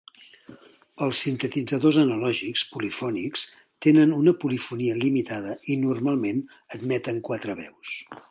Els sintetitzadors analògics polifònics tenen una polifonia limitada i normalment admeten quatre veus.